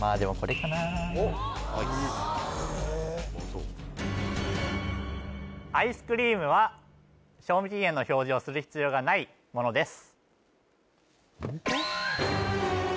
そうアイスクリームは賞味期限の表示をする必要がないものです